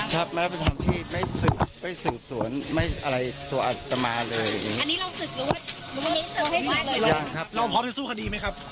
เราพร้อมสู้คดีไหมครับ